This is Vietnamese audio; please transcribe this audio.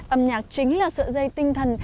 âm nhạc chính là sự dây tinh thần